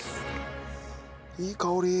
いい香り。